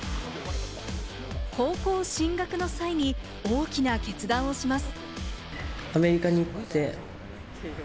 高校進学の際に大きな決断をします。